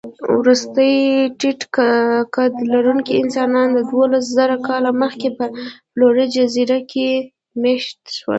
وروستي ټيټقدلرونکي انسانان دوولسزره کاله مخکې په فلور جزیره کې مېشته شول.